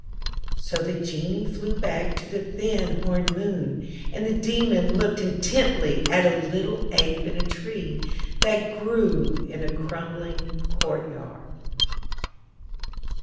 So the Genie flew back to the thin horned moon, and the Daemon looked intently at a little ape in a tree that grew in a crumbling courtyard.